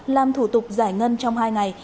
làm thủ tục giải ngân trong hai ngày